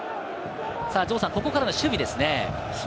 ここからの守備ですね。